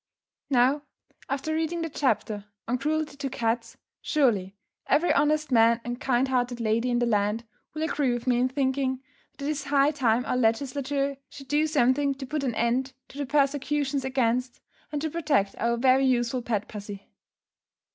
Now, after reading the chapter on cruelty to cats, surely every honest man and kind hearted lady in the land will agree with me in thinking, that it is high time our Legislature should do something to put an end to the persecutions against, and to protect, our very useful pet pussy.